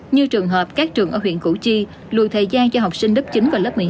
như trường hợp các trường ở huyện củ chi lùi thời gian cho học sinh lớp chín và lớp một mươi hai